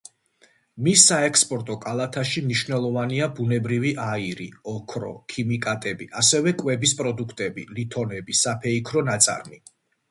მის საექსპორტო კალათაში მნიშვნელოვანია ბუნებრივი აირი, ოქრო, ქიმიკატები, ასევე კვების პროდუქტები, ლითონები, საფეიქრო ნაწარმი.